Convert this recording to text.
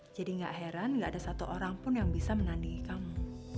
jadi gak heran gak ada satu orang pun yang bisa menandigi kamu